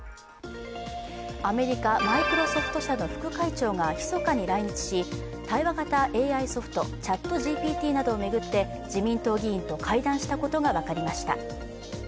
アメリカ、マイクロソフト社の副会長が密かに来日し対話型ＡＩソフトＣｈａｔＧＰＴなどを巡って、自民党議員と会談したことが分かりました。